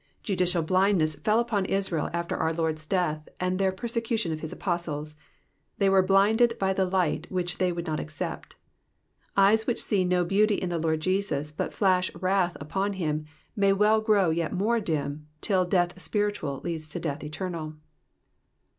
Judicial blindness fell upon Israel after our Lord's death and their persecution of his apostles ; they were blinded by the light which they would not accept. Eyes which see no beauty in the Lord Jesus, but flash wrath upon him, may well grow yet more dim, till death spiritual leads to death eternal.